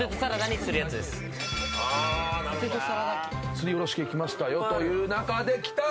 すりおろし系きましたよという中できた！